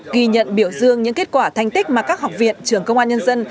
ghi nhận biểu dương những kết quả thành tích mà các học viện trường công an nhân dân